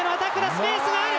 スペースがある！